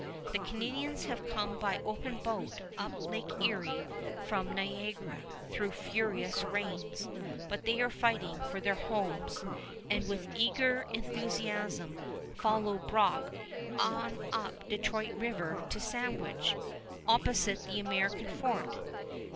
The Canadians have come by open boat up Lake Erie from Niagara through furious rains; but they are fighting for their homes, and with eager enthusiasm follow Brock on up Detroit River to Sandwich, opposite the American fort.